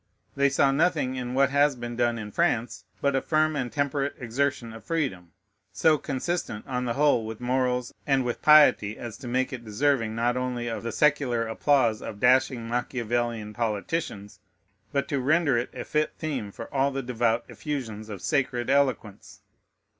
They saw nothing in what has been done in France but a firm and temperate exertion of freedom, so consistent, on the whole, with morals and with piety as to make it deserving not only of the secular applause of dashing Machiavelian politicians, but to render it a fit theme for all the devout effusions of sacred eloquence.